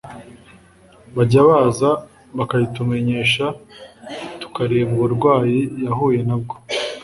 bajya baza bakabitumenyesha tukareba uburwayi yahuye na bwo